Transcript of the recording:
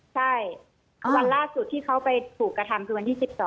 ใช่วันล่าสุดที่เขาไปถูกกระทำคือวันที่๑๒